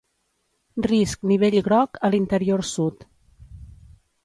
Risc nivell groc a l'interior sud.